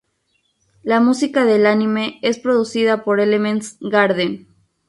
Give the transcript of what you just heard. La música del anime es producida por Elements Garden.